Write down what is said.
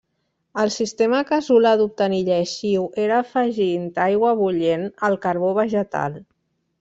El sistema casolà d’obtenir lleixiu era afegint aigua bullent al carbó vegetal.